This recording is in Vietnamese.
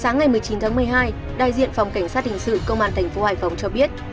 sáng ngày một mươi chín tháng một mươi hai đại diện phòng cảnh sát hình sự công an thành phố hải phòng cho biết